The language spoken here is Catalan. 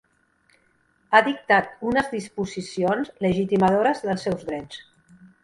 Ha dictat unes disposicions legitimadores dels seus drets.